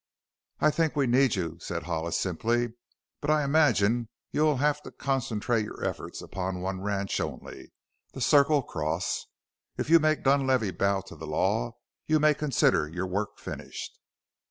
"I think we need you," said Hollis simply. "But I imagine you will have to concentrate your efforts upon one ranch only the Circle Cross. If you make Dunlavey bow to the law you may consider your work finished."